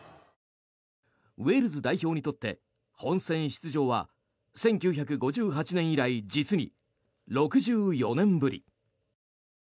ウェールズ代表にとって本選出場は１９５８年以来実に６４年ぶり。